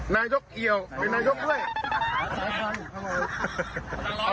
นันยกเหี่ยวเหมือนนายยกเล่ย